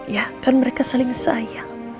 ya kan mereka saling sayang